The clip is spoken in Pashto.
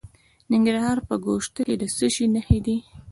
د ننګرهار په ګوشته کې د څه شي نښې دي؟